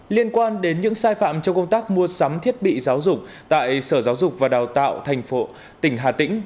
liên quan đến những sai phạm trong công tác mua sắm thiết bị giáo dục tại sở giáo dục và đào tạo thành tỉnh hà tĩnh